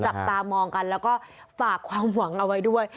จับตามองกันแล้วก็ฝากความหวังเอาไว้ด้วย